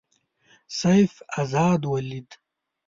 سیف آزاد ولید.